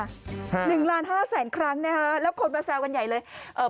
๑๕๐๐๐๐๐ครั้งนะครับแล้วคนมาแซวกันใหญ่เลย